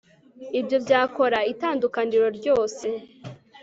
Ibyo byakora itandukaniro ryose